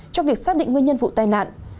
trong việc xác định nguyên nhân vụ tai nạn